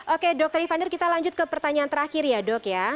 oke dr ivander kita lanjut ke pertanyaan terakhir ya dok ya